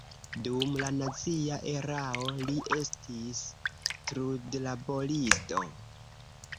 Dum la nazia erao li estis trudlaboristo.